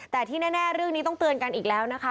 แต่ที่แน่เรื่องนี้ต้องเตือนกันอีกแล้วนะคะ